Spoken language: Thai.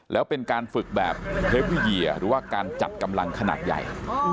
แล้วเป็นการฝึกแบบหรือว่าการจัดกำลังขนาดใหญ่อ๋อ